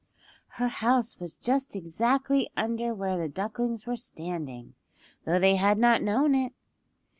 Her house was just exactly under where the ducklings were standing, though they had not known it.